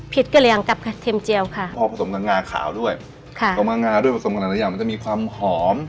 ผิดกะเรียงกับกระเทมเจียวค่ะพอผสมกับงาขาวด้วยค่ะต่อมางาด้วยผสมกับกระเทมเจียวมันจะมีความหอม